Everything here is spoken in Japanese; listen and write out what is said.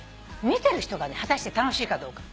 見てる人がね果たして楽しいかどうか。